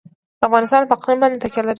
افغانستان په اقلیم باندې تکیه لري.